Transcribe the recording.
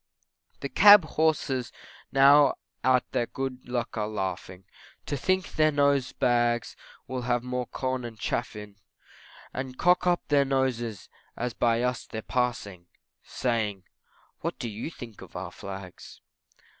The Cab horses now at their good luck are laughing, To think their nose bags will have more corn and chaff in, And cock up their noses as by us they're passing, Saying, what do you think of our Flags?